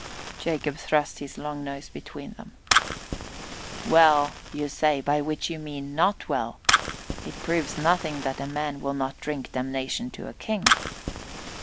Jacob thrust his long nose between them. "'Well,' you say, by which you mean 'not well.' It proves nothing that a man will not drink damnation to a king."